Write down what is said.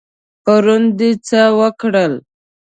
پرون د څه وکړل؟